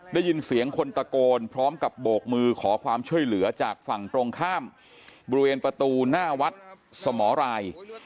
ได้ยินเสียงคนตะโกนพร้อมกับโบกมือขอความช่วยเหลือจากฝั่งตรงข้ามบริเวณประตูหน้าวัดสมรราย